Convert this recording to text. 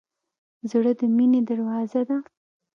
زړه د مینې دروازه ده.